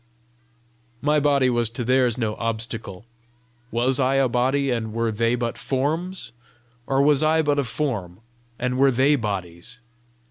My body was to theirs no obstacle: was I a body, and were they but forms? or was I but a form, and were they bodies?